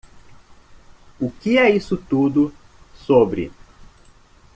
O que é isso tudo sobre?